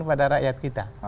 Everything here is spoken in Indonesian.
kepada rakyat kita